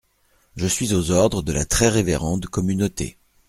Je suis aux ordres de la très révérende communauté.